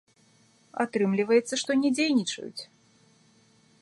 Атрымліваецца, што не дзейнічаюць?